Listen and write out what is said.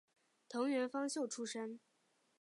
藤原芳秀出身。